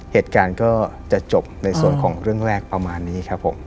เหตุการณ์ก็จะจบในส่วนของเรื่องแรกประมาณนี้ครับผม